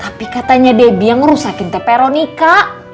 tapi katanya debbie yang ngerusakin teperonika